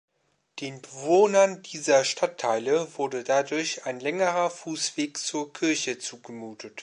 Den Bewohnern dieser Stadtteile wurde dadurch ein längerer Fußweg zur Kirche zugemutet.